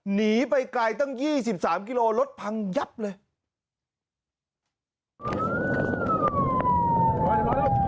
หนีไปไกลตั้ง๒๓กิโลรถพังยับเลย